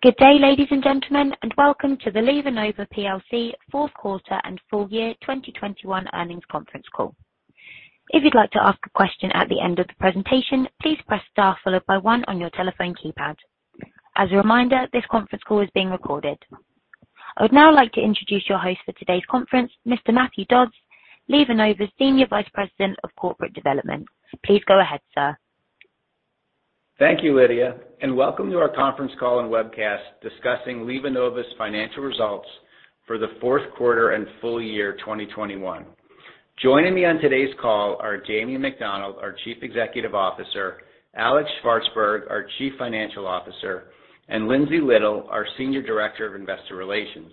Good day, ladies and gentlemen, and welcome to the LivaNova PLC Fourth Quarter and Full Year 2021 Earnings Conference Call. If you'd like to ask a question at the end of the presentation, please press Star followed by one on your telephone keypad. As a reminder, this conference call is being recorded. I would now like to introduce your host for today's conference, Mr. Matthew Dodds, LivaNova's Senior Vice President of Corporate Development. Please go ahead, sir. Thank you, Lydia, and welcome to our Conference Call and Webcast discussing LivaNova's Financial Results for the Fourth Quarter and Full Year 2021. Joining me on today's call are Damien McDonald, our Chief Executive Officer, Alex Shvartsburg, our Chief Financial Officer, and Lindsey Little, our Senior Director of Investor Relations.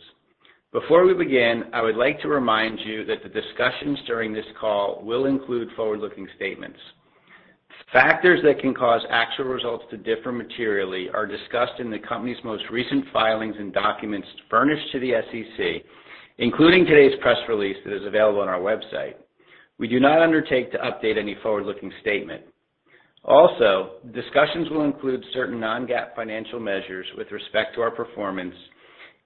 Before we begin, I would like to remind you that the discussions during this call will include forward-looking statements. Factors that can cause actual results to differ materially are discussed in the company's most recent filings and documents furnished to the SEC, including today's press release that is available on our website. We do not undertake to update any forward-looking statement. Also, discussions will include certain non-GAAP financial measures with respect to our performance,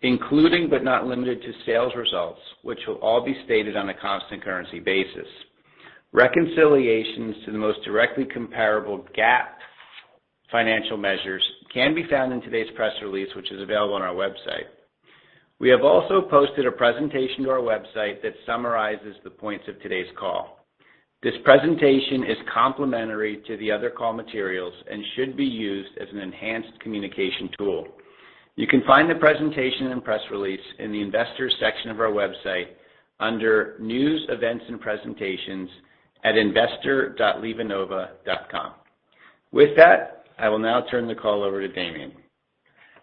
including, but not limited to sales results, which will all be stated on a constant currency basis. Reconciliations to the most directly comparable GAAP financial measures can be found in today's press release, which is available on our website. We have also posted a presentation to our website that summarizes the points of today's call. This presentation is complementary to the other call materials and should be used as an enhanced communication tool. You can find the presentation and press release in the Investors section of our website under News, Events, and Presentations at investor.livanova.com. With that, I will now turn the call over to Damien.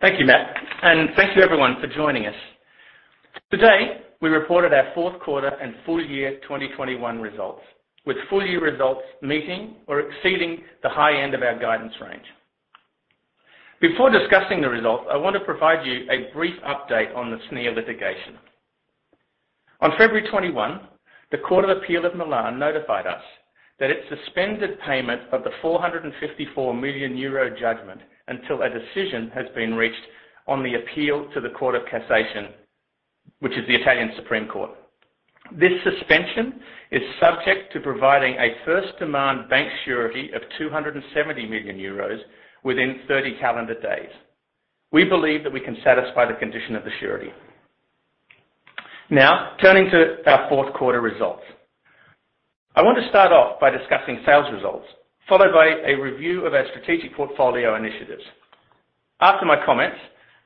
Thank you, Matt, and thank you everyone for joining us. Today, we reported our fourth quarter and full year 2021 results, with full year results meeting or exceeding the high end of our guidance range. Before discussing the results, I want to provide you a brief update on the SNIA Litigation. On February 21, the Court of Appeal of Milan notified us that it suspended payment of the 454 million euro judgment until a decision has been reached on the appeal to the Court of Cassation, which is the Italian Supreme Court. This suspension is subject to providing a first demand bank surety of 270 million euros within 30 calendar days. We believe that we can satisfy the condition of the surety. Now, turning to our fourth quarter results. I want to start off by discussing sales results, followed by a review of our strategic portfolio initiatives. After my comments,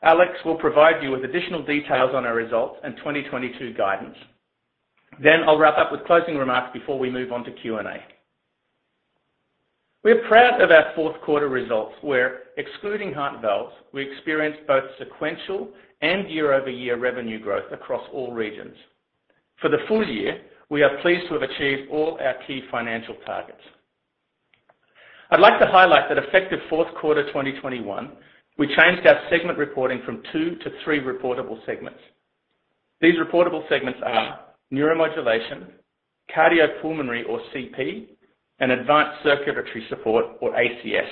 Alex will provide you with additional details on our results and 2022 guidance. I'll wrap up with closing remarks before we move on to Q&A. We're proud of our fourth quarter results, where excluding Heart Valves, we experienced both sequential and year-over-year revenue growth across all regions. For the full year, we are pleased to have achieved all our key financial targets. I'd like to highlight that effective fourth quarter 2021, we changed our segment reporting from two to three reportable segments. These reportable segments are Neuromodulation, Cardiopulmonary, or CP, and Advanced Circulatory Support, or ACS.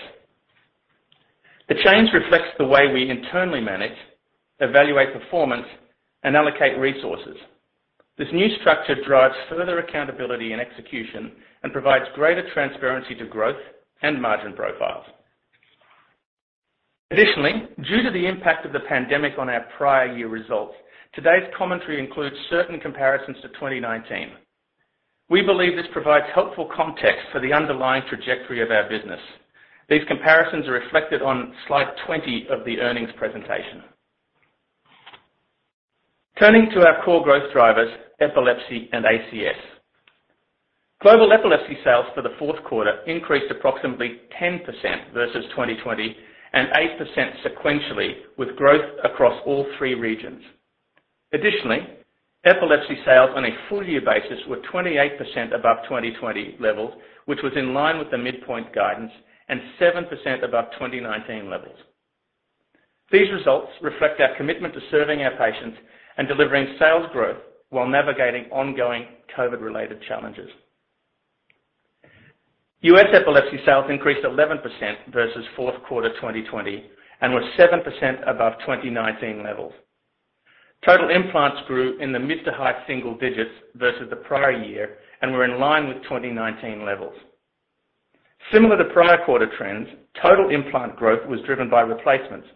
The change reflects the way we internally manage, evaluate performance, and allocate resources. This new structure drives further accountability and execution and provides greater transparency to growth and margin profiles. Additionally, due to the impact of the pandemic on our prior year results, today's commentary includes certain comparisons to 2019. We believe this provides helpful context for the underlying trajectory of our business. These comparisons are reflected on slide 20 of the earnings presentation. Turning to our core growth drivers, epilepsy and ACS. Global epilepsy sales for the fourth quarter increased approximately 10% versus 2020 and 8% sequentially, with growth across all three regions. Additionally, epilepsy sales on a full year basis were 28% above 2020 levels, which was in line with the midpoint guidance and 7% above 2019 levels. These results reflect our commitment to serving our patients and delivering sales growth while navigating ongoing COVID-related challenges. US epilepsy sales increased 11% versus fourth quarter 2020 and were 7% above 2019 levels. Total implants grew in the mid- to high-single digits versus the prior year and were in line with 2019 levels. Similar to prior quarter trends, total implant growth was driven by replacements,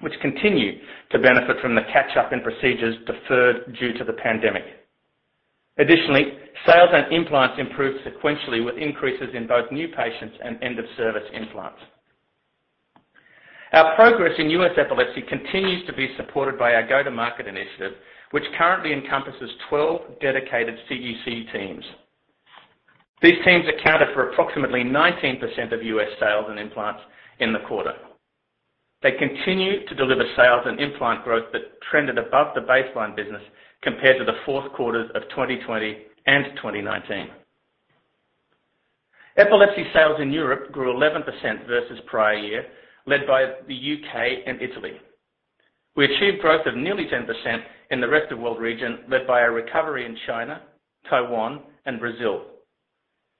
which continue to benefit from the catch-up in procedures deferred due to the pandemic. Additionally, sales and implants improved sequentially with increases in both new patients and end-of-service implants. Our progress in U.S. epilepsy continues to be supported by our go-to-market initiative, which currently encompasses 12 dedicated CEC teams. These teams accounted for approximately 19% of U.S. sales and implants in the quarter. They continue to deliver sales and implant growth that trended above the baseline business compared to the fourth quarter of 2020 and 2019. Epilepsy sales in Europe grew 11% versus prior year, led by the U.K. and Italy. We achieved growth of nearly 10% in the rest of world region, led by a recovery in China, Taiwan and Brazil.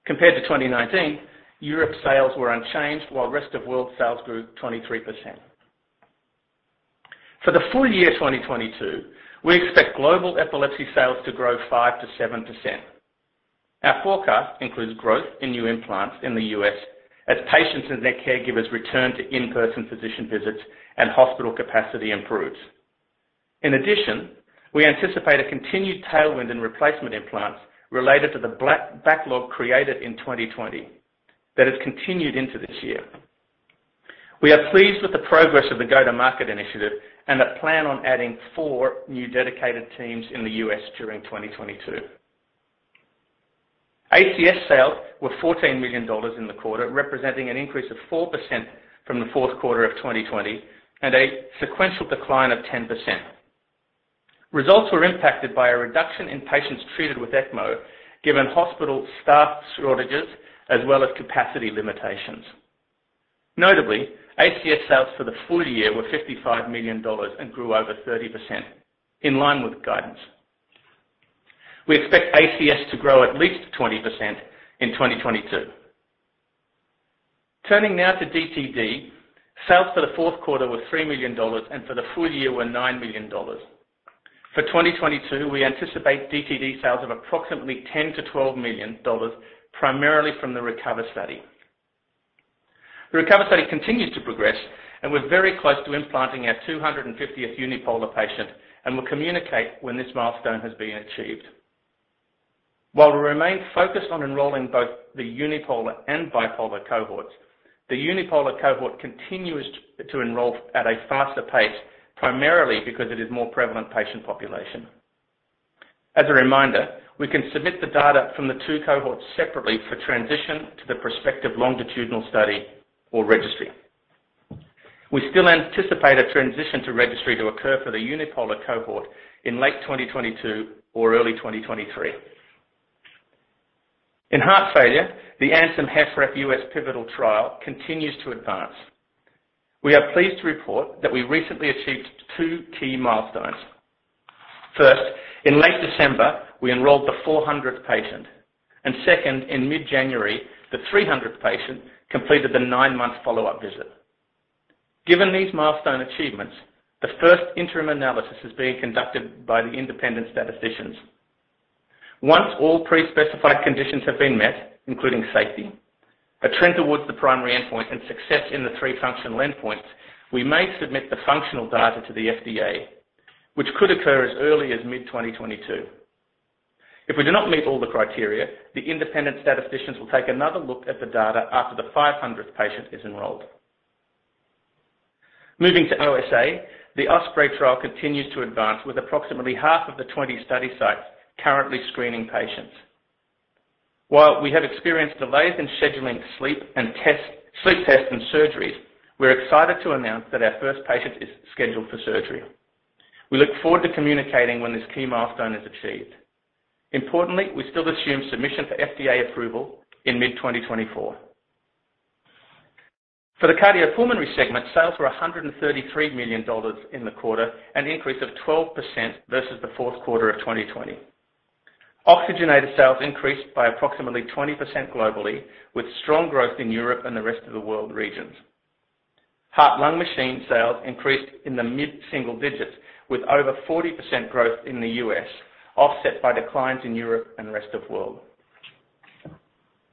Compared to 2019, Europe sales were unchanged, while rest of world sales grew 23%. For the full year 2022, we expect global epilepsy sales to grow 5%-7%. Our forecast includes growth in new implants in the U.S. as patients and their caregivers return to in-person physician visits and hospital capacity improves. In addition, we anticipate a continued tailwind in replacement implants related to the VNS backlog created in 2020 that has continued into this year. We are pleased with the progress of the go-to-market initiative and we plan on adding four new dedicated teams in the U.S. during 2022. ACS sales were $14 million in the quarter, representing an increase of 4% from the fourth quarter of 2020, and a sequential decline of 10%. Results were impacted by a reduction in patients treated with ECMO, given hospital staff shortages as well as capacity limitations. Notably, ACS sales for the full year were $55 million and grew over 30% in line with guidance. We expect ACS to grow at least 20% in 2022. Turning now to DTD, sales for the fourth quarter were $3 million and for the full year were $9 million. For 2022, we anticipate DTD sales of approximately $10 million-$12 million, primarily from the RECOVER study. The RECOVER study continues to progress, and we're very close to implanting our 250th unipolar patient and will communicate when this milestone has been achieved. While we remain focused on enrolling both the unipolar and bipolar cohorts, the unipolar cohort continues to enroll at a faster pace, primarily because it is more prevalent patient population. As a reminder, we can submit the data from the two cohorts separately for transition to the prospective longitudinal study or registry. We still anticipate a transition to registry to occur for the unipolar cohort in late 2022 or early 2023. In heart failure, the ANTHEM-HFrEF U.S. pivotal trial continues to advance. We are pleased to report that we recently achieved two key milestones. First, in late December, we enrolled the 400th patient. Second, in mid-January, the 300th patient completed the nine-month follow-up visit. Given these milestone achievements, the first interim analysis is being conducted by the independent statisticians. Once all pre-specified conditions have been met, including safety, a trend towards the primary endpoint and success in the three functional endpoints, we may submit the functional data to the FDA, which could occur as early as mid-2022. If we do not meet all the criteria, the independent statisticians will take another look at the data after the 500th patient is enrolled. Moving to OSA, the OSPREY trial continues to advance with approximately half of the 20 study sites currently screening patients. While we have experienced delays in scheduling sleep tests and surgeries, we're excited to announce that our first patient is scheduled for surgery. We look forward to communicating when this key milestone is achieved. Importantly, we still assume submission for FDA approval in mid-2024. For the cardiopulmonary segment, sales were $133 million in the quarter, an increase of 12% versus the fourth quarter of 2020. Oxygenator sales increased by approximately 20% globally, with strong growth in Europe and the rest of the world regions. Heart-lung machine sales increased in the mid-single digits, with over 40% growth in the U.S., offset by declines in Europe and the rest of the world.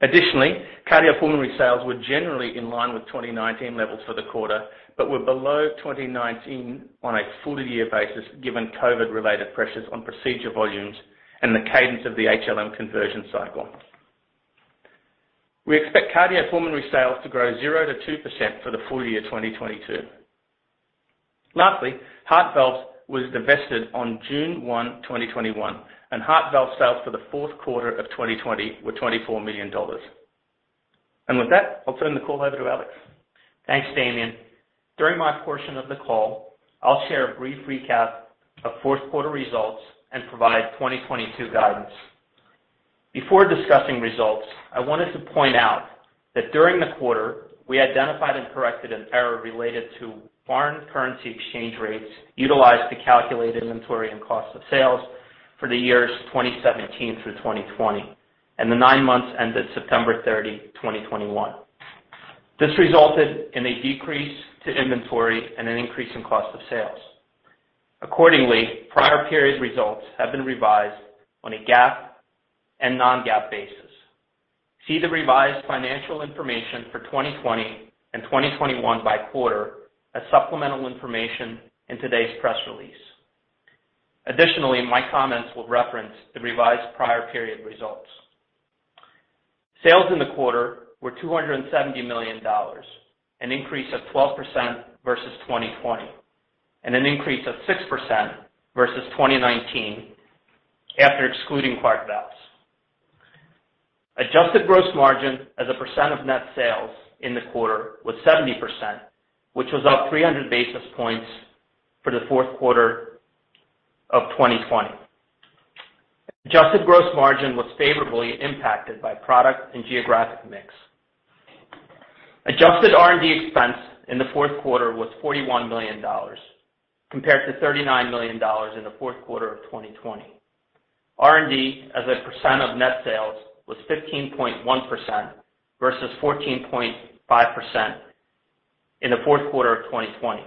Additionally, cardiopulmonary sales were generally in line with 2019 levels for the quarter, but were below 2019 on a full year basis, given COVID-related pressures on procedure volumes and the cadence of the HLM conversion cycle. We expect cardiopulmonary sales to grow zero to 2% for the full year 2022. Lastly, Heart Valves was divested on June 1, 2021, and Heart Valves sales for the fourth quarter of 2020 were $24 million. With that, I'll turn the call over to Alex. Thanks, Damien. During my portion of the call, I'll share a brief recap of fourth quarter results and provide 2022 guidance. Before discussing results, I wanted to point out that during the quarter, we identified and corrected an error related to foreign currency exchange rates utilized to calculate inventory and cost of sales for the years 2017 through 2020, and the nine months ended September 30, 2021. This resulted in a decrease to inventory and an increase in cost of sales. Accordingly, prior period results have been revised on a GAAP and non-GAAP basis. See the revised financial information for 2020 and 2021 by quarter as supplemental information in today's press release. Additionally, my comments will reference the revised prior period results. Sales in the quarter were $270 million, an increase of 12% versus 2020, and an increase of 6% versus 2019 after excluding Heart Valves. Adjusted gross margin as a percent of net sales in the quarter was 70%, which was up 300 basis points for the fourth quarter of 2020. Adjusted gross margin was favorably impacted by product and geographic mix. Adjusted R&D expense in the fourth quarter was $41 million compared to $39 million in the fourth quarter of 2020. R&D as a percent of net sales was 15.1% versus 14.5% in the fourth quarter of 2020.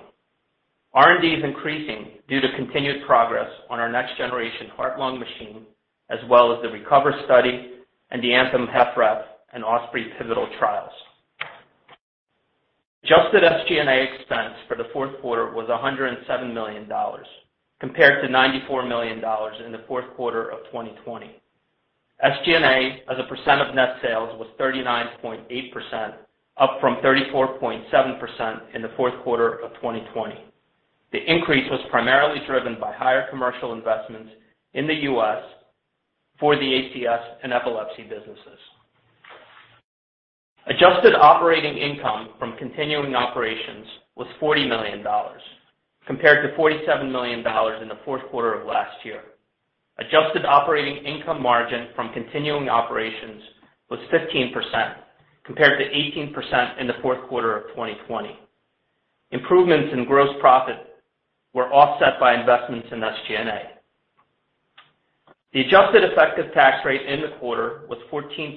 R&D is increasing due to continued progress on our next generation heart-lung machine, as well as the RECOVER study and the ANTHEM-HFrEF and OSPREY pivotal trials. Adjusted SG&A expense for the fourth quarter was $107 million compared to $94 million in the fourth quarter of 2020. SG&A, as a percent of net sales, was 39.8%, up from 34.7% in the fourth quarter of 2020. The increase was primarily driven by higher commercial investments in the U.S. for the ACS and epilepsy businesses. Adjusted operating income from continuing operations was $40 million compared to $47 million in the fourth quarter of last year. Adjusted operating income margin from continuing operations was 15% compared to 18% in the fourth quarter of 2020. Improvements in gross profit were offset by investments in SG&A. The adjusted effective tax rate in the quarter was 14%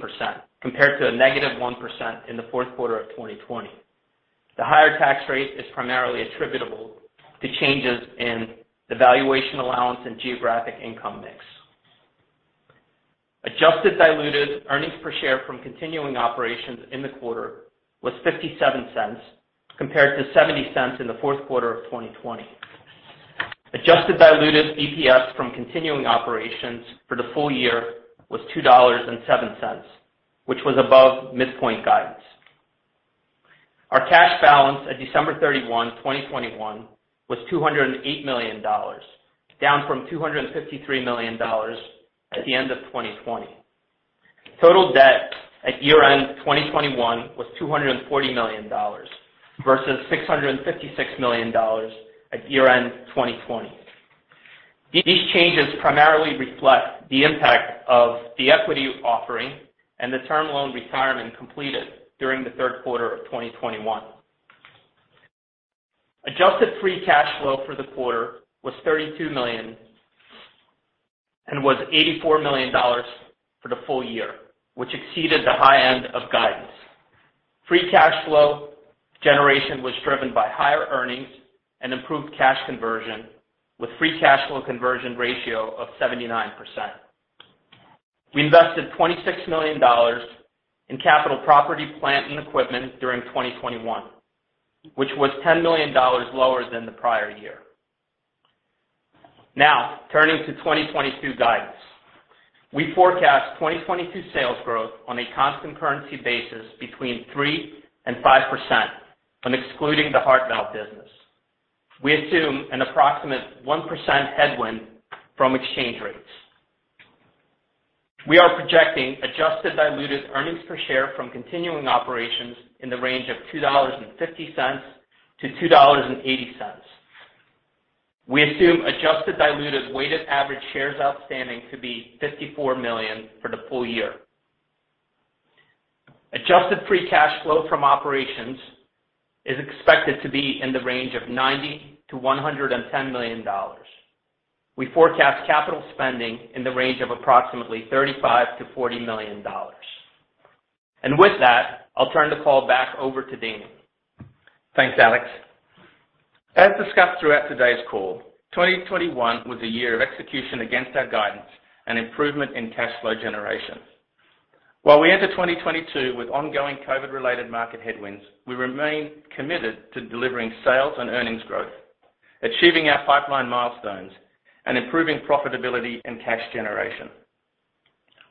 compared to a negative 1% in the fourth quarter of 2020. The higher tax rate is primarily attributable to changes in the valuation allowance and geographic income mix. Adjusted diluted earnings per share from continuing operations in the quarter was $0.57 compared to $0.70 in the fourth quarter of 2020. Adjusted diluted EPS from continuing operations for the full year was $2.07, which was above midpoint guidance. Our cash balance at December 31, 2021 was $208 million, down from $253 million at the end of 2020. Total debt at year-end 2021 was $240 million versus $656 million at year-end 2020. These changes primarily reflect the impact of the equity offering and the term loan retirement completed during the third quarter of 2021. Adjusted free cash flow for the quarter was $32 million, and was $84 million for the full year, which exceeded the high end of guidance. Free cash flow generation was driven by higher earnings and improved cash conversion, with free cash flow conversion ratio of 79%. We invested $26 million in capital property, plant and equipment during 2021, which was $10 million lower than the prior year. Now, turning to 2022 guidance. We forecast 2022 sales growth on a constant currency basis between 3% and 5% and excluding the Heart Valves business. We assume an approximate 1% headwind from exchange rates. We are projecting adjusted diluted earnings per share from continuing operations in the range of $2.50-$2.80. We assume adjusted diluted weighted average shares outstanding to be 54 million for the full year. Adjusted free cash flow from operations is expected to be in the range of $90 million-$110 million. We forecast capital spending in the range of approximately $35 million-$40 million. With that, I'll turn the call back over to Damien. Thanks, Alex. As discussed throughout today's call, 2021 was a year of execution against our guidance and improvement in cash flow generation. While we enter 2022 with ongoing COVID-related market headwinds, we remain committed to delivering sales and earnings growth, achieving our pipeline milestones, and improving profitability and cash generation.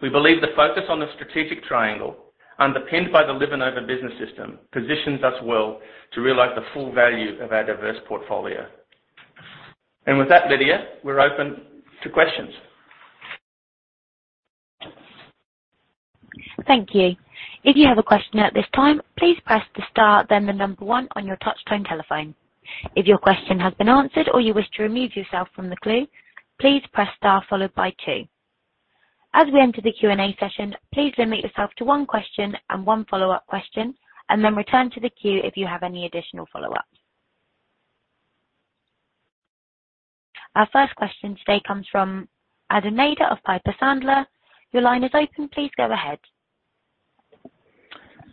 We believe the focus on the strategic triangle, underpinned by the LivaNova business system, positions us well to realize the full value of our diverse portfolio. With that, Lydia, we're open to questions. Thank you. If you have a question at this time, please press the star, then the number one on your touch tone telephone. If your question has been answered or you wish to remove yourself from the queue, please press star followed by two. As we enter the Q&A session, please limit yourself to one question and one follow-up question, and then return to the queue if you have any additional follow-ups. Our first question today comes from Adam Maeder of Piper Sandler. Your line is open. Please go ahead.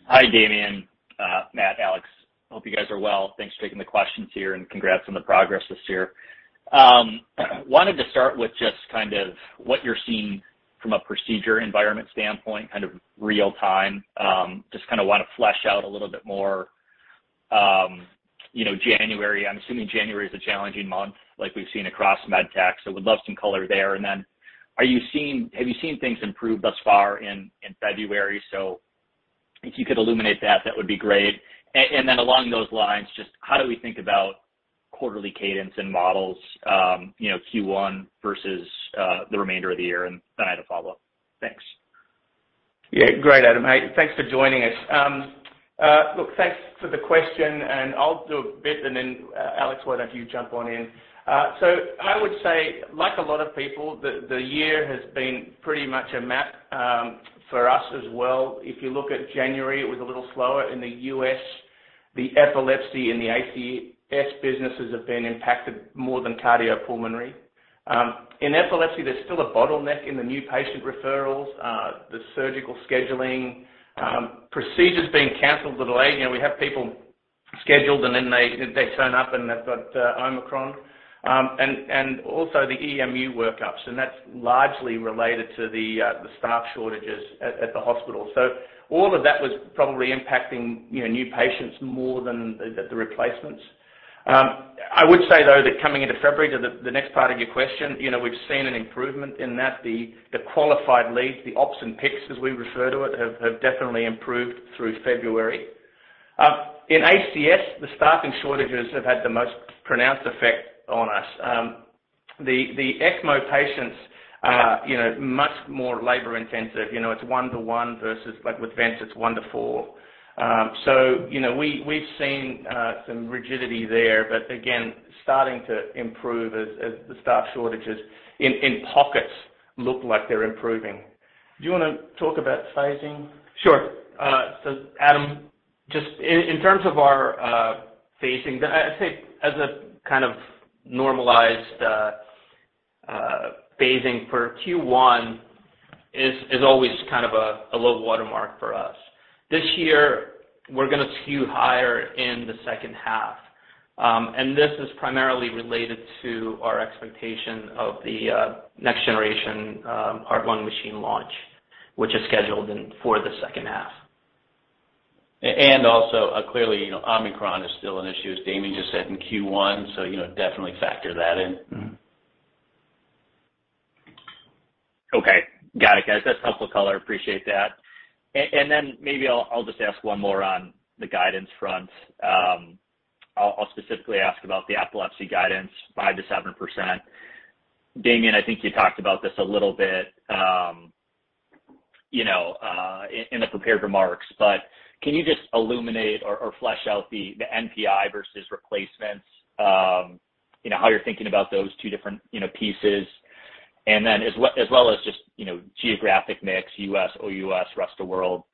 Hi, Damian, Matt, Alex. Hope you guys are well. Thanks for taking the questions here, and congrats on the progress this year. Wanted to start with just kind of what you're seeing from a procedure environment standpoint, kind of real time. Just kinda wanna flesh out a little bit more, you know, January. I'm assuming January is a challenging month like we've seen across med tech, so would love some color there. Have you seen things improve thus far in February? If you could illuminate that would be great. Along those lines, just how do we think about quarterly cadence and models, you know, Q1 versus the remainder of the year? I had a follow-up. Thanks. Yeah. Great, Adam. Hey, thanks for joining us. Look, thanks for the question, and I'll do a bit, and then, Alex, why don't you jump on in? I would say, like a lot of people, the year has been pretty much a mess for us as well. If you look at January, it was a little slower in the U.S. The epilepsy in the ACS businesses have been impacted more than cardiopulmonary. In epilepsy, there's still a bottleneck in the new patient referrals, the surgical scheduling, procedures being canceled or delayed. You know, we have people scheduled, and then they turn up and they've got Omicron. Also the EMU workups, and that's largely related to the staff shortages at the hospital. All of that was probably impacting, you know, new patients more than the replacements. I would say, though, that coming into February, to the next part of your question, you know, we've seen an improvement in that the qualified leads, the ops and picks, as we refer to it, have definitely improved through February. In ACS, the staffing shortages have had the most pronounced effect on us. The ECMO patients are, you know, much more labor-intensive. You know, it's one to one versus like with vents, it's one to four. We've seen some rigidity there, but again, starting to improve as the staff shortages in pockets look like they're improving. Do you wanna talk about phasing? Sure. Adam, just in terms of our phasing, I'd say as a kind of normalized phasing for Q1 is always kind of a low watermark for us. This year, we're gonna skew higher in the second half, and this is primarily related to our expectation of the next generation Essenz Perfusion System launch, which is scheduled for the second half. Also, clearly, you know, Omicron is still an issue, as Damian just said, in Q1, so, you know, definitely factor that in. Okay. Got it, guys. That's helpful color. Appreciate that. Maybe I'll just ask one more on the guidance front. I'll specifically ask about the epilepsy guidance, 5%-7%. Damien, I think you talked about this a little bit, you know, in the prepared remarks, but can you just illuminate or flesh out the NPI versus replacements? You know, how you're thinking about those two different, you know, pieces. As well as just, you know, geographic mix, U.S., OUS, rest of world.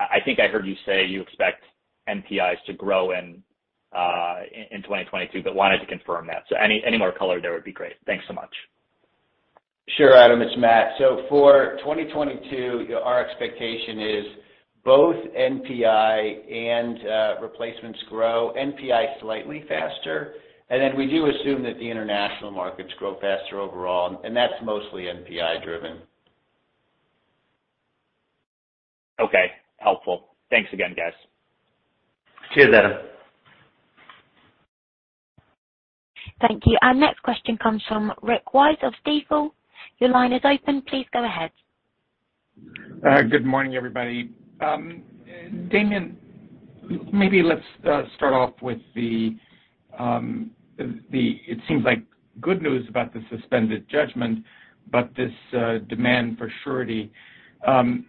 I think I heard you say you expect NPIs to grow in 2022, but wanted to confirm that. Any more color there would be great. Thanks so much. Sure, Adam. It's Matt. For 2022, our expectation is both NPI and replacements grow, NPI slightly faster. Then we do assume that the international markets grow faster overall, and that's mostly NPI driven. Okay. Helpful. Thanks again, guys. Cheers, Adam. Thank you. Our next question comes from Rick Wise of Stifel. Your line is open. Please go ahead. Good morning, everybody. Damien, maybe let's start off with it seems like good news about the suspended judgment, but this demand for surety.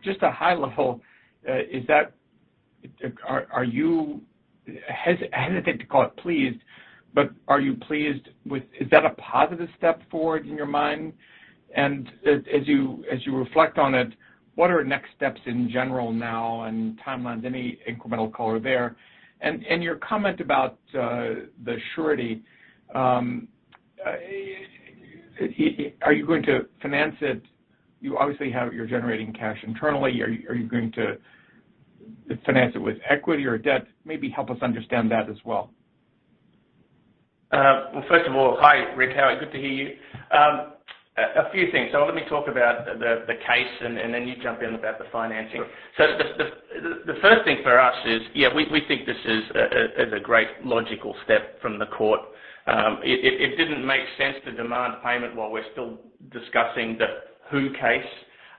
Just at high level, is that are you hesitant to call it pleased, but are you pleased with it? Is that a positive step forward in your mind? As you reflect on it, what are next steps in general now and timelines? Any incremental color there. Your comment about the surety, are you going to finance it? You obviously have. You're generating cash internally. Are you going to finance it with equity or debt? Maybe help us understand that as well. Well, first of all, hi, Rick. How are you? Good to hear you. A few things. Let me talk about the case and then you jump in about the financing. Sure. The first thing for us is, yeah, we think this is a great logical step from the court. It didn't make sense to demand payment while we're still discussing the who case.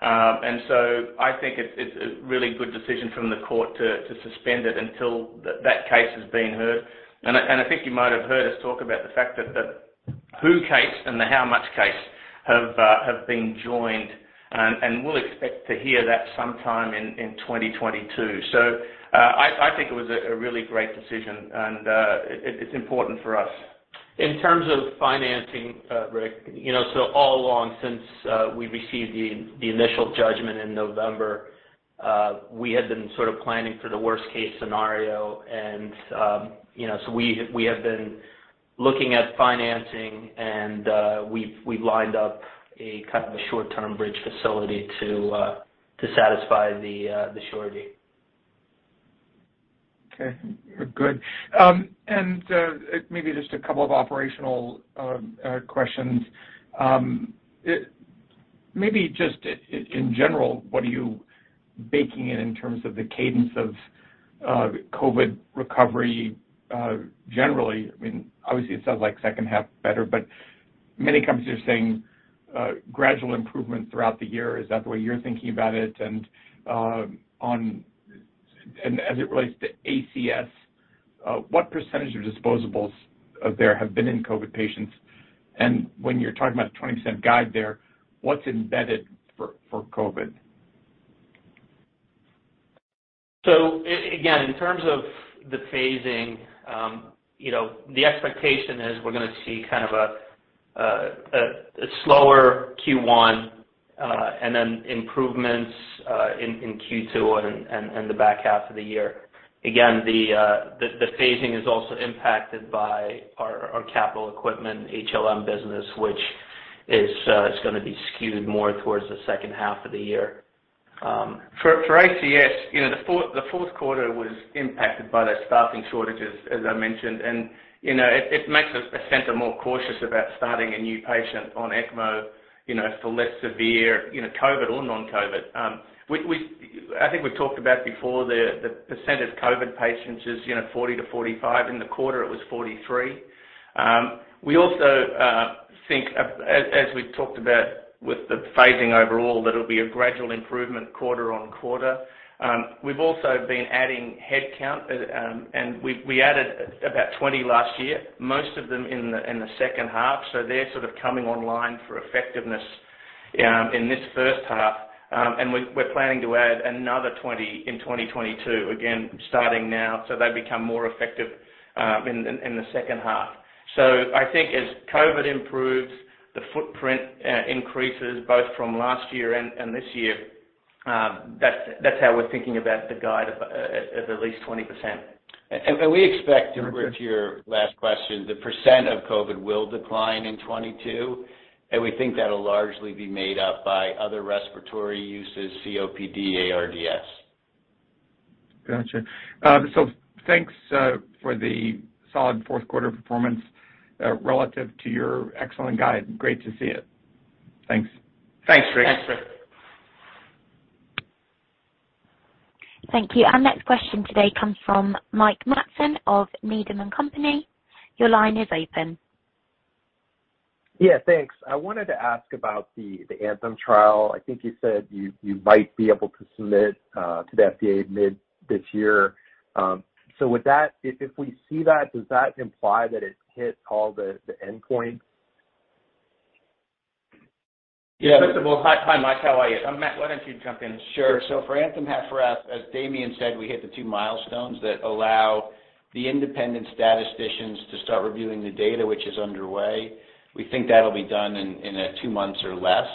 I think it's a really good decision from the court to suspend it until that case has been heard. I think you might have heard us talk about the fact that who case and the how much case have been joined, and we'll expect to hear that sometime in 2022. I think it was a really great decision, and it's important for us. In terms of financing, Rick, you know, so all along since we received the initial judgment in November, we had been sort of planning for the worst case scenario and, you know, so we have been looking at financing and, we've lined up a kind of a short-term bridge facility to satisfy the surety. Okay. Good. Maybe just a couple of operational questions. In general, what are you baking in terms of the cadence of COVID recovery, generally? I mean, obviously it sounds like second half better, but many companies are saying gradual improvement throughout the year. Is that the way you're thinking about it? As it relates to ACS, what percentage of disposables there have been in COVID patients? When you're talking about 20% guide there, what's embedded for COVID? Again, in terms of the phasing, you know, the expectation is we're gonna see kind of a slower Q1, and then improvements in Q2 and the back half of the year. Again, the phasing is also impacted by our Capital Equipment HLM business, which is gonna be skewed more towards the second half of the year. For ACS, you know, the fourth quarter was impacted by the staffing shortages, as I mentioned, and, you know, it makes a center more cautious about starting a new patient on ECMO, you know, for less severe, you know, COVID or non-COVID. I think we've talked about before, the percent of COVID patients is, you know, 40%-45%. In the quarter, it was 43%. We also think, as we've talked about with the phasing overall, that it'll be a gradual improvement quarter-over-quarter. We've also been adding headcount, and we added about 20% last year, most of them in the second half. So they're sort of coming online for effectiveness in this first half. We're planning to add another 20% in 2022, again, starting now, so they become more effective in the second half. I think as COVID improves, the footprint increases both from last year and this year, that's how we're thinking about the guide of at least 20%. We expect, Rich, your last question, the percent of COVID will decline in 2022, and we think that'll largely be made up by other respiratory uses, COPD, ARDS. Gotcha. Thanks for the solid fourth quarter performance relative to your excellent guide. Great to see it. Thanks. Thanks, Rick. Thanks, Rick. Thank you. Our next question today comes from Mike Matson of Needham & Company. Your line is open. Yeah, thanks. I wanted to ask about the ANTHEM trial. I think you said you might be able to submit to the FDA mid this year. So would that, if we see that, does that imply that it hit all the endpoints? Yeah. First of all, hi, Mike. How are you? Matt, why don't you jump in? Sure. For ANTHEM -HFrEF, as Damian said, we hit the two milestones that allow the independent statisticians to start reviewing the data, which is underway. We think that'll be done in two months or less.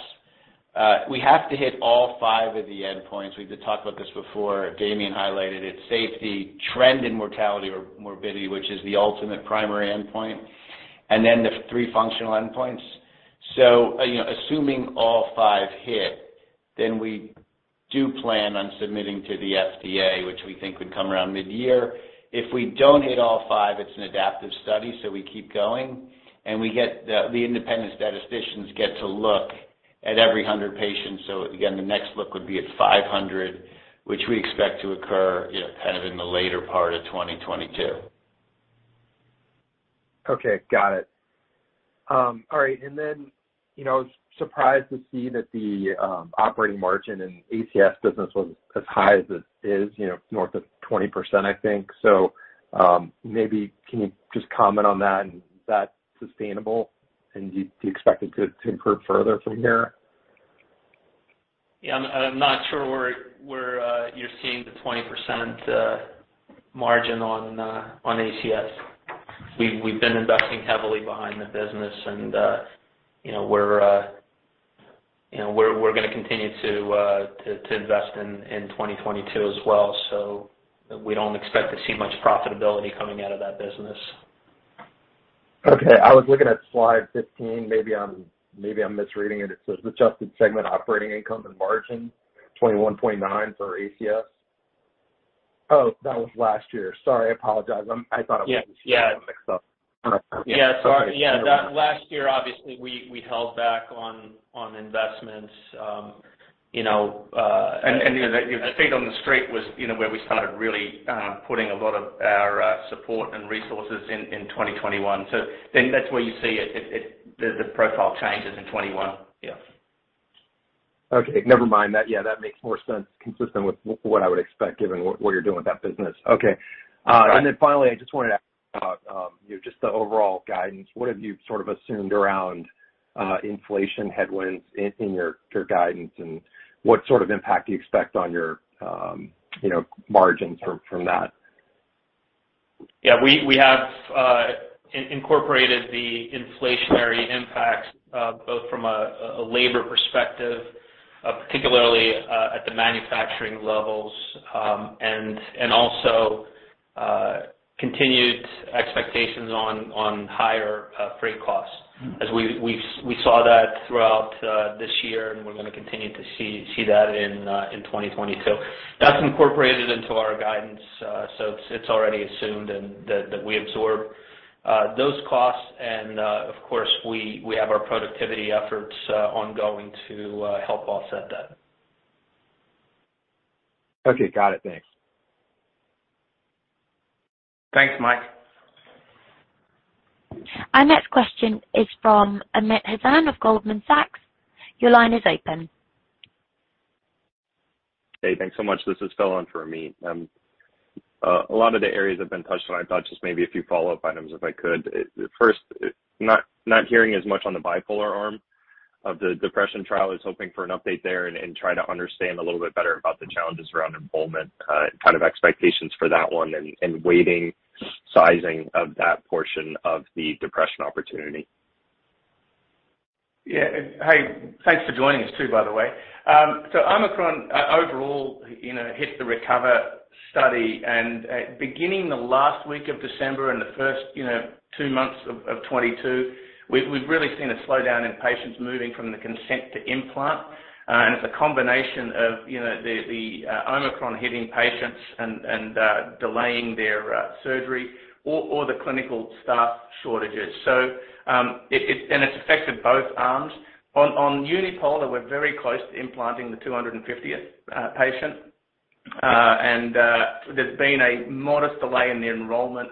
We have to hit all five of the endpoints. We've talked about this before. Damian highlighted it, safety, trend in mortality or morbidity, which is the ultimate primary endpoint, and then the three functional endpoints. You know, assuming all five hit, then we do plan on submitting to the FDA, which we think would come around midyear. If we don't hit all five, it's an adaptive study, so we keep going. We get the independent statisticians get to look at every 100 patients. Again, the next look would be at 500, which we expect to occur, you know, kind of in the later part of 2022. Okay. Got it. All right, and then, you know, surprised to see that the operating margin in ACS business was as high as it is, you know, north of 20%, I think. Maybe can you just comment on that and is that sustainable? Do you expect it to improve further from here? Yeah, I'm not sure where you're seeing the 20% margin on ACS. We've been investing heavily behind the business and, you know, we're gonna continue to invest in 2022 as well. We don't expect to see much profitability coming out of that business. Okay. I was looking at slide 15. Maybe I'm misreading it. It says adjusted segment operating income and margin, 21.9% for ACS. Oh, that was last year. Sorry, I apologize. I thought it was- Yeah. Yeah. I got mixed up. Yeah. Okay. Yeah. That last year, obviously, we held back on investments, you know. You know, the feet on the street was, you know, where we started really putting a lot of our support and resources in 2021. That's where you see it, the profile changes in 2021. Yeah. Okay. Never mind. That, yeah, that makes more sense consistent with what I would expect given what you're doing with that business. Okay. Finally, I just wanted to ask about, you know, just the overall guidance. What have you sort of assumed around, inflation headwinds in your guidance, and what sort of impact do you expect on your, you know, margins from that? Yeah. We have incorporated the inflationary impacts both from a labor perspective particularly at the manufacturing levels and also continued expectations on higher freight costs. As we saw that throughout this year, and we're gonna continue to see that in 2022. That's incorporated into our guidance so it's already assumed and that we absorb those costs and of course we have our productivity efforts ongoing to help offset that. Okay. Got it. Thanks. Thanks, Mike. Our next question is from Amit Hazan of Goldman Sachs. Your line is open. Hey, thanks so much. This is Phil on for Amit. A lot of the areas have been touched, but I thought just maybe a few follow-up items, if I could. First, not hearing as much on the bipolar arm of the depression trial. I was hoping for an update there and try to understand a little bit better about the challenges around enrollment, kind of expectations for that one and weighting sizing of that portion of the depression opportunity. Yeah. Hey, thanks for joining us too, by the way. Omicron overall, you know, hit the RECOVER study. Beginning the last week of December and the first two months of 2022, we've really seen a slowdown in patients moving from the consent to implant. It's a combination of, you know, the Omicron hitting patients and delaying their surgery or the clinical staff shortages. It's affected both arms. On unipolar, we're very close to implanting the 250th patient. There's been a modest delay in the enrollment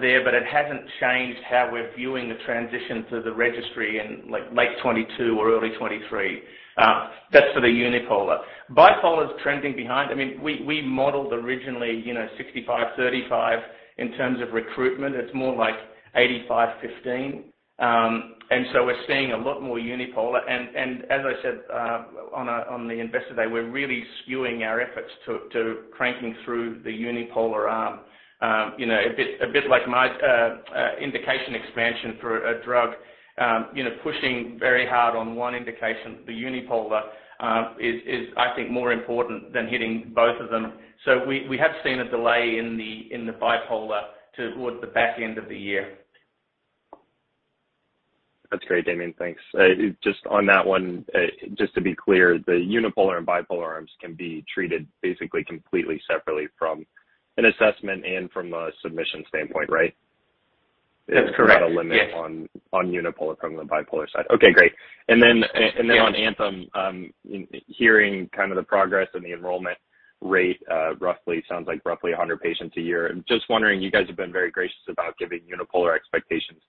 there, but it hasn't changed how we're viewing the transition to the registry in like late 2022 or early 2023. That's for the unipolar. Bipolar is trending behind. I mean, we modeled originally, you know, 65/35 in terms of recruitment. It's more like 85/15. We're seeing a lot more unipolar. As I said, on the Investor Day, we're really skewing our efforts to cranking through the unipolar arm. You know, a bit like my indication expansion for a drug, you know, pushing very hard on one indication. The unipolar is, I think, more important than hitting both of them. We have seen a delay in the bipolar toward the back end of the year. That's great, Damian. Thanks. Just on that one, just to be clear, the unipolar and bipolar arms can be treated basically completely separately from an assessment and from a submission standpoint, right? That's correct. There's not a limit- Yes. on unipolar from the bipolar side. Okay, great. Then on ANTHEM, hearing kind of the progress and the enrollment rate, roughly sounds like roughly 100 patients a year. Just wondering, you guys have been very gracious about giving unipolar expectations.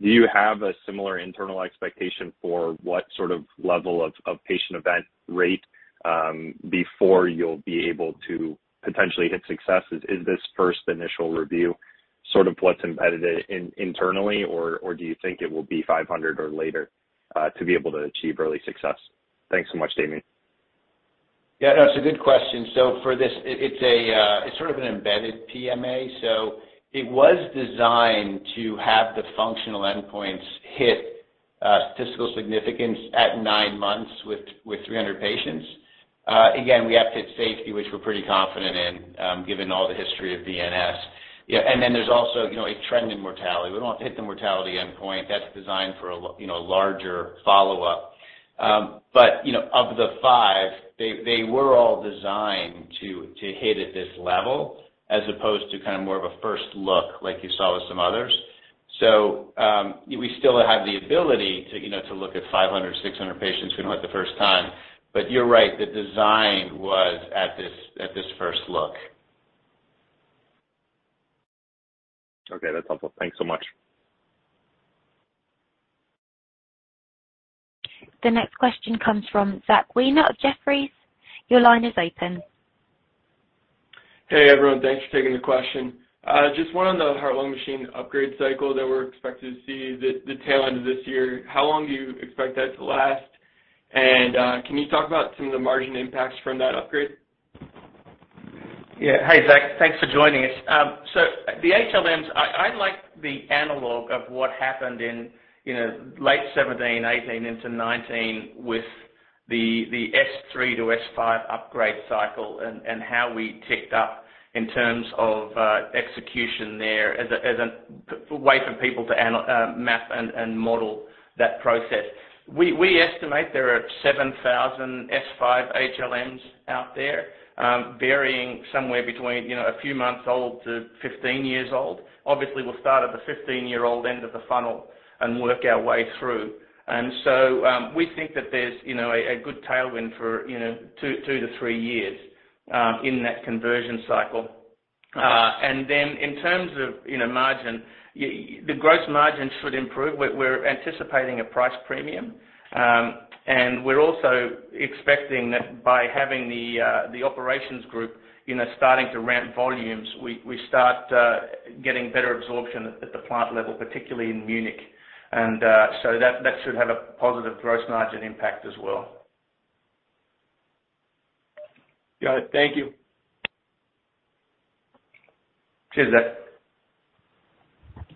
Do you have a similar internal expectation for what sort of level of patient event rate before you'll be able to potentially hit successes? Is this first initial review sort of what's embedded internally, or do you think it will be 500 or later to be able to achieve early success? Thanks so much, Damian. Yeah, no, it's a good question. For this, it's sort of an embedded PMA. It was designed to have the functional endpoints hit statistical significance at nine months with 300 patients. Again, we have to hit safety, which we're pretty confident in, given all the history of VNS. Yeah, and then there's also, you know, a trend in mortality. We don't have to hit the mortality endpoint. That's designed for, you know, a larger follow-up. But, you know, of the five, they were all designed to hit at this level as opposed to kind of more of a first look like you saw with some others. We still have the ability to, you know, to look at 500, 600 patients, you know, at the first time. You're right, the design was at this first look. Okay, that's helpful. Thanks so much. The next question comes from Zach Weiner of Jefferies. Your line is open. Hey, everyone. Thanks for taking the question. Just one on the heart lung machine upgrade cycle that we're expected to see the tail end of this year. How long do you expect that to last? And, can you talk about some of the margin impacts from that upgrade? Yeah. Hey, Zach. Thanks for joining us. So the HLMs, I like the analog of what happened in, you know, late 2017, 2018 into 2019 with the S3 to S5 upgrade cycle and how we ticked up in terms of execution there as a way for people to map and model that process. We estimate there are 7,000 S5 HLMs out there, varying somewhere between, you know, a few months old to 15 years old. Obviously, we'll start at the 15-year-old end of the funnel and work our way through. We think that there's, you know, a good tailwind for, you know, 2-3 years in that conversion cycle. And then in terms of, you know, margin, the gross margin should improve. We're anticipating a price premium. We're also expecting that by having the operations group, you know, starting to ramp volumes, we start getting better absorption at the plant level, particularly in Munich. That should have a positive gross margin impact as well. Got it. Thank you. Cheers, Zach.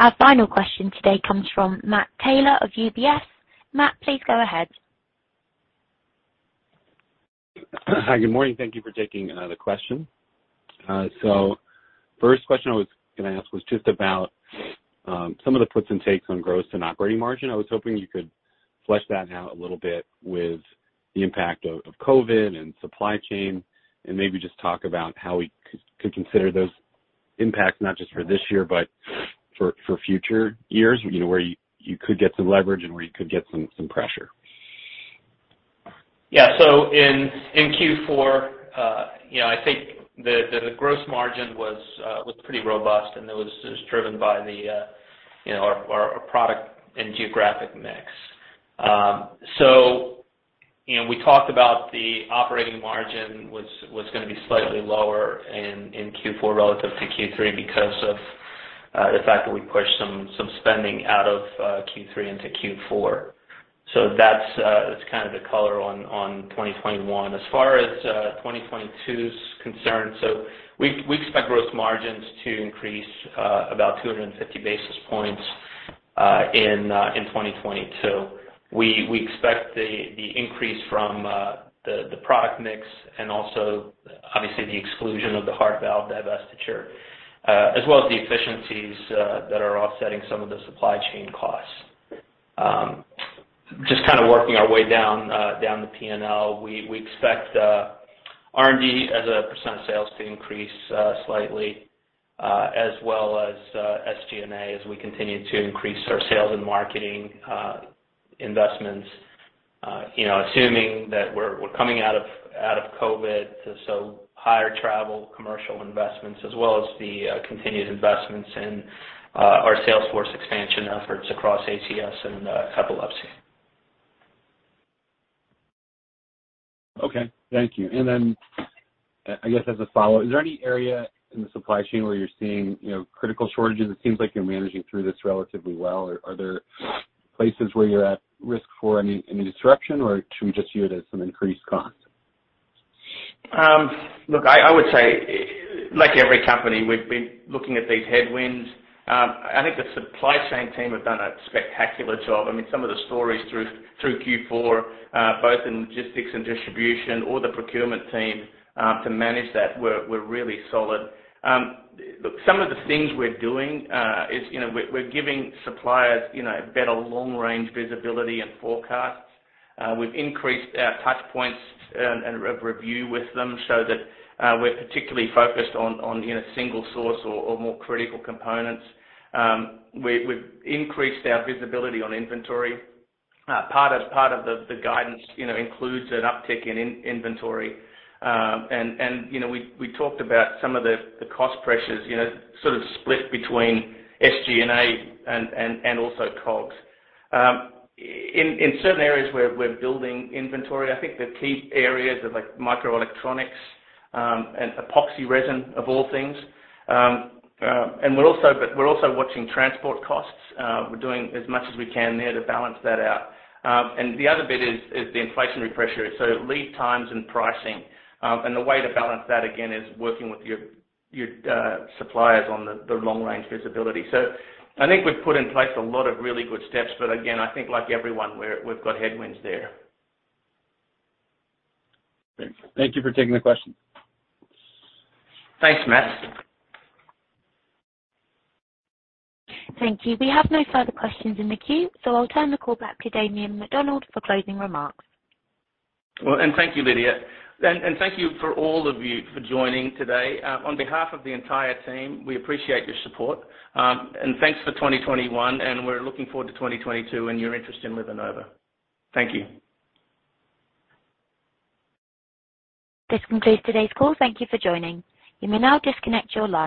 Our final question today comes from Matt Taylor of UBS. Matt, please go ahead. Hi, good morning. Thank you for taking another question. First question I was gonna ask was just about some of the puts and takes on gross and operating margin. I was hoping you could flesh that out a little bit with the impact of COVID and supply chain, and maybe just talk about how we could consider those impacts, not just for this year, but for future years, you know, where you could get some leverage and where you could get some pressure. Yeah. In Q4, you know, I think the gross margin was pretty robust, and it was driven by, you know, our product and geographic mix. We talked about the operating margin was gonna be slightly lower in Q4 relative to Q3 because of the fact that we pushed some spending out of Q3 into Q4. That's kind of the color on 2021. As far as 2022 is concerned, we expect gross margins to increase about 250 basis points in 2022. We expect the increase from the product mix, and also obviously the exclusion of the Heart Valves divestiture, as well as the efficiencies that are offsetting some of the supply chain costs. Just kind of working our way down the P&L, we expect R&D as a % of sales to increase slightly, as well as SG&A, as we continue to increase our sales and marketing investments. You know, assuming that we're coming out of COVID, so higher travel, commercial investments, as well as the continued investments in our sales force expansion efforts across ACS and epilepsy. Okay. Thank you. I guess, as a follow, is there any area in the supply chain where you're seeing, you know, critical shortages? It seems like you're managing through this relatively well. Are there places where you're at risk for any disruption, or should we just view it as some increased cost? Look, I would say, like every company, we've been looking at these headwinds. I think the supply chain team have done a spectacular job. I mean, some of the stories through Q4, both in logistics and distribution or the procurement team to manage that were really solid. Look, some of the things we're doing is, you know, we're giving suppliers, you know, better long-range visibility and forecasts. We've increased our touchpoints and re-review with them so that we're particularly focused on, you know, single source or more critical components. We've increased our visibility on inventory. Part of the guidance, you know, includes an uptick in inventory. We talked about some of the cost pressures, you know, sort of split between SG&A and also COGS. In certain areas we're building inventory. I think the key areas are like microelectronics and epoxy resin, of all things. But we're also watching transport costs. We're doing as much as we can there to balance that out. The other bit is the Inflationary Pressure. Lead times and pricing. The way to balance that again is working with your suppliers on the long-range visibility. I think we've put in place a lot of really good steps, but again, I think like everyone, we've got headwinds there. Thanks. Thank you for taking the question. Thanks, Matt. Thank you. We have no further questions in the queue, so I'll turn the call back to Damien McDonald for closing remarks. Well, thank you, Lydia. Thank you for all of you for joining today. On behalf of the entire team, we appreciate your support. Thanks for 2021, and we're looking forward to 2022 and your interest in LivaNova. Thank you. This concludes today's call. Thank you for joining. You may now disconnect your line.